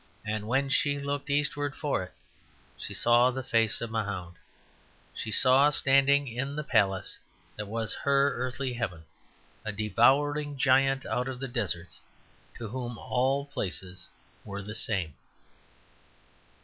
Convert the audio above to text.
And when she looked eastward for it she saw the face of Mahound. She saw standing in the place that was her earthly heaven a devouring giant out of the deserts, to whom all places were the same.